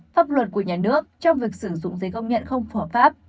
pháp luật của nhà nước trong việc sử dụng giấy công nhận không phở pháp